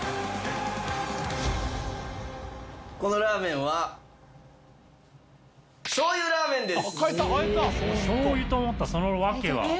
このラーメンはしょうゆラーメンです。